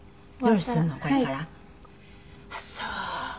あっそう。